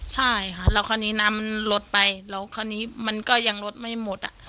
ใช่ค่ะแล้วคราวนี้น้ำมันลดไปแล้วคราวนี้มันก็ยังลดไม่หมดอ่ะ